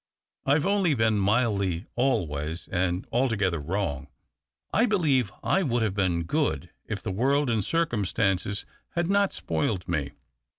I've only been mildly always and altogether wrong. I believe I would have been good if the world and circumstances had not spoiled me.